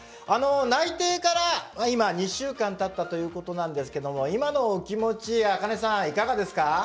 内定から今２週間たったということなんですけども今のお気持ち紅音さんいかがですか？